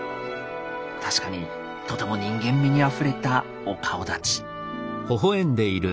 確かにとても人間味にあふれたお顔立ち。